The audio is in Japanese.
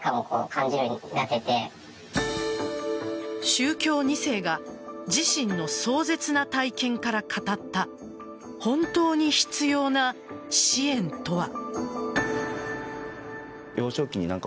宗教２世が自身の壮絶な体験から語った本当に必要な支援とは。